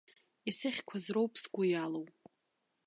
Исыхьқәаз роуп сгәы иалоу.